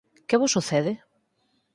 Que vos sucede?